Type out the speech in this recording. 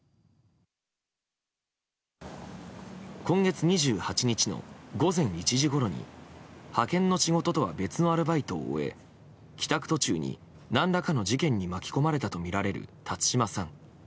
今月２８日の午前１時ごろに派遣の仕事とは別のアルバイトを終え帰宅途中に何らかの事件に巻き込まれたとみられる辰島さん。